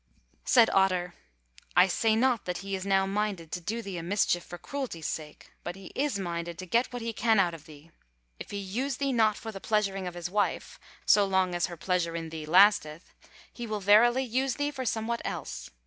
Said Otter: "I say not that he is now minded to do thee a mischief for cruelty's sake; but he is minded to get what he can out of thee. If he use thee not for the pleasuring of his wife (so long as her pleasure in thee lasteth) he will verily use thee for somewhat else.